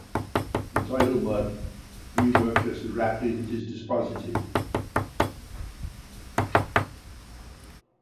The tidal mud is reworked as rapidly as it is deposited.